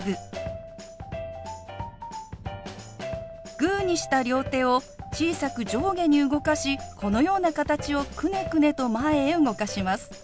グーにした両手を小さく上下に動かしこのような形をくねくねと前へ動かします。